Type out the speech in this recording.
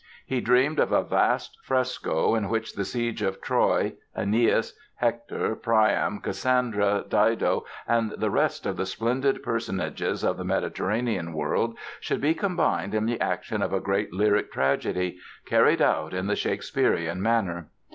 He dreamed of a vast fresco in which the siege of Troy, Aeneas, Hector, Priam, Cassandra, Dido and the rest of the splendid personages of the Mediterranean world should be combined in the action of a great lyric tragedy carried out "in the Shakespearian manner."